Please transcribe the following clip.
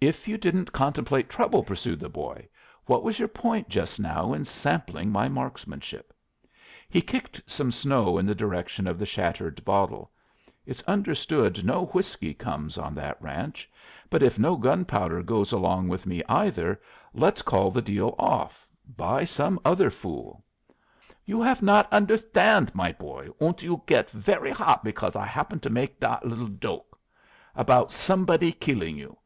"If you didn't contemplate trouble," pursued the boy, "what was your point just now in sampling my marksmanship?" He kicked some snow in the direction of the shattered bottle. "It's understood no whiskey comes on that ranch. But if no gunpowder goes along with me, either, let's call the deal off. Buy some other fool." "You haf not understand, my boy. Und you get very hot because I happen to make that liddle joke about somebody killing you.